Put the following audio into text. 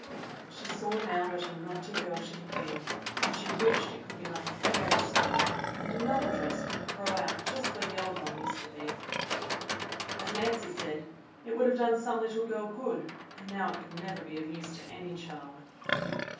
She saw now what a naughty girl she had been, and she wished it could be like a fairy story and another dress could grow out just where the old one used to be* 50 THE BLUE AUNT As Nancy said, it would have done some little girl good, and now it could never be of use to any child.